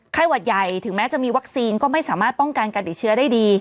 หวัดใหญ่ถึงแม้จะมีวัคซีนก็ไม่สามารถป้องกันการติดเชื้อได้ดี